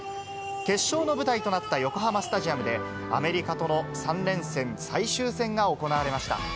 決勝の舞台となった横浜スタジアムで、アメリカとの３連戦最終戦が行われました。